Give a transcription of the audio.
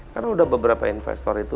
karena udah beberapa investor itu